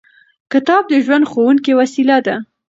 کتاب د ژوند ښوونکې وسیله ده.